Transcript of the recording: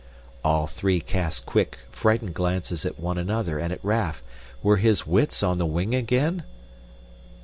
All three cast quick, frightened glances at one another and at Raff. Were his wits on the wing again?